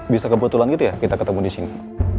bisa kebetulan gitu ya kita ketemu di sini